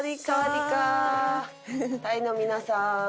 タイの皆さん。